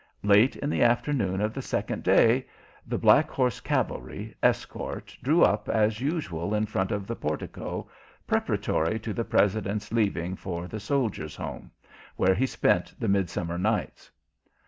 Late in the afternoon of the second day, the "black horse cavalry" escort drew up as usual in front of the portico, preparatory to the President's leaving for the "Soldiers' Home," where he spent the midsummer nights.